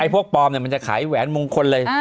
ไอ้พวกปลอมเนี่ยมันจะขายแหวนมงคลเลย